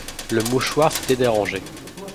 Le mouchoir s’était dérangé.